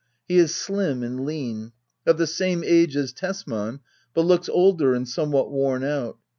He is sUm and lean; of the same age as Tesman, hut looks older and somewhat worn out.